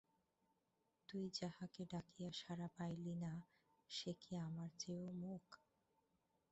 তুই যাহাকে ডাকিয়া সাড়া পাইলি না সে কি আমার চেয়েও মূক।